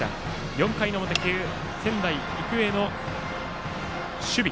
４回の表、仙台育英の守備。